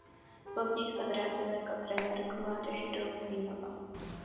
Později se vrátil jako trenér k mládeži do Litvínova.